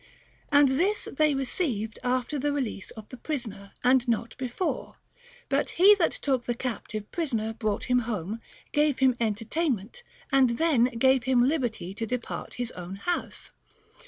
And this they received after the release of the prisoner, and not be fore ; but he that took the captive prisoner brought him home, gave him entertainment, and then gave him liberty to depart to his own house.